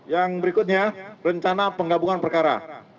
yang berikutnya rencana penggabungan perkara